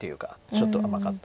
ちょっと甘かった。